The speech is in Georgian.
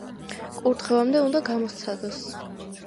კურთხევამდე უნდა გამოსცადოს.